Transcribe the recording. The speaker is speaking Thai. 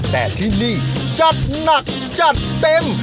แต่ที่นี่จัดหนักจัดเต็ม